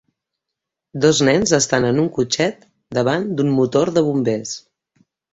Dos nens estan en un cotxet davant d'un motor de bombers